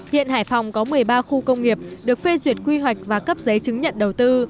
hiện hải phòng có một mươi ba khu công nghiệp được phê duyệt quy hoạch và cấp giấy chứng nhận đầu tư